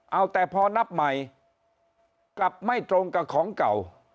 เอาแต่พอนับใหม่กลับไม่ตรงกับของเก่า